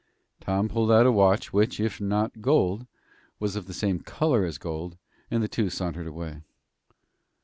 Tom pulled out a watch, which, if not gold, was of the same color as gold, and the two sauntered away.